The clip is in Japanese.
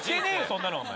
そんなのお前！